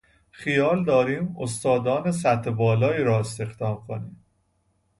خیال داریم استادان سطح بالایی را استخدام کنیم.